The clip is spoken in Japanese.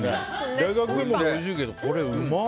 大学芋もおいしいけどこれ、うまっ！